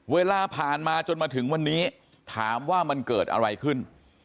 เวลาผ่านมาจนมาถึงวันนี้ถามว่ามันเกิดอะไรขึ้น